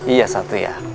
iya satu ya